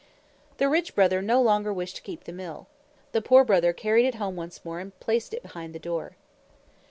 The Rich Brother no longer wished to keep the Mill. The Poor Brother carried it home once more and placed it behind the door.